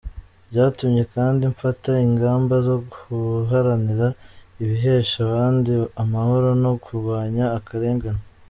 "Byatumye kandi mfata ingamba zo guharanira ibihesha abandi amahoro no kurwanya akarengane.